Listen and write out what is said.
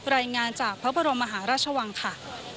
รายงานจากพระบรมมหาราชวังค่ะ